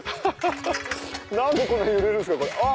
何でこんな揺れるんすか？